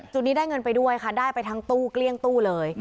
นี้ได้เงินไปด้วยค่ะได้ไปทั้งตู้เกลี้ยงตู้เลย